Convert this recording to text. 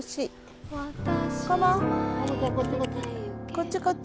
こっちこっち。